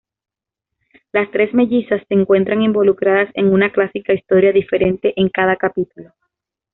Las Tres Mellizas se encuentran involucradas en una clásica historia diferente en cada capítulo.